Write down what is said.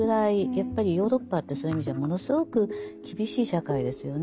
やっぱりヨーロッパってそういう意味じゃものすごく厳しい社会ですよね。